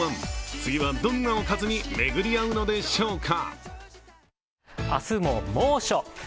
次はどんなおかずに巡り会うのでしょうか。